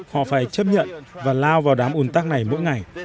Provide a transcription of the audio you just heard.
họ phải chấp nhận và lao vào đám un tắc này mỗi ngày